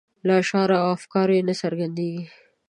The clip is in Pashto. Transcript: له اشعارو او افکارو یې نه څرګندیږي.